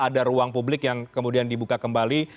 ada ruang publik yang kemudian dibuka kembali